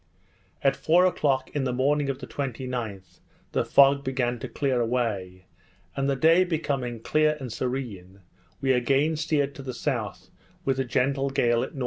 At four o'clock in the morning of the 29th, the fog began to clear away; and the day becoming clear and serene, we again steered to the south with a gentle gale at N.E.